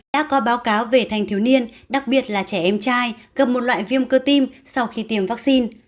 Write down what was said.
đã có báo cáo về thanh thiếu niên đặc biệt là trẻ em trai gặp một loại viêm cơ tim sau khi tiêm vaccine